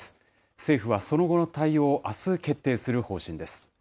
政府はその後の対応をあす、決定する方針です。